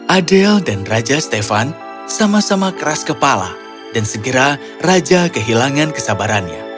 adel dan raja stefan sama sama keras kepala dan segera raja kehilangan kesabarannya